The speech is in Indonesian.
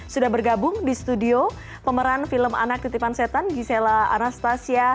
sudah bergabung di studio pemeran film anak titipan setan gisela anastasia